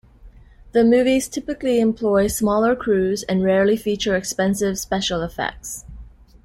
The movies typically employ smaller crews, and rarely feature expensive special effects.